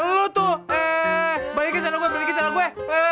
lu tuh balikin celana gua balikin celana gua